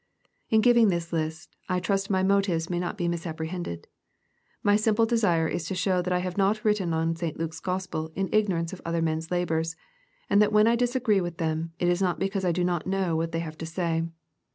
In giving this list, I trust my motives may not be misapprehended. My simple desire is to show that I have not written on St. Luke's Gospel in ignorance of other men's labors, and that when I disagree with them, it is not because I do not know what they have to say.